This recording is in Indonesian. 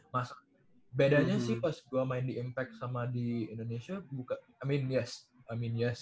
masa bedanya sih pas gua main di impact sama di indonesia buka i mean yes